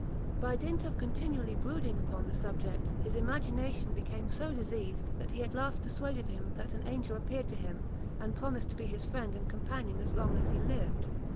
By dint of continually brooding upon the subject, his imagination became so diseased, that he at last persuaded himself that an angel appeared to him, and promised to be his friend and companion as long as he lived.